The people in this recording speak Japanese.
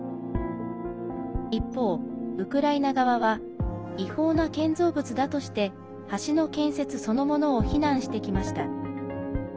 一方、ウクライナ側は違法な建造物だとして橋の建設そのものを非難してきました。